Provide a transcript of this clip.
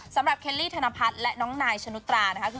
เคลลี่ธนพัฒน์และน้องนายชนุตรานะคะ